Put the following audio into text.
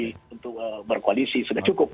untuk berkoalisi sudah cukup